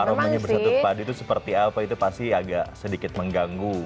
aromanya bersatu padi itu seperti apa itu pasti agak sedikit mengganggu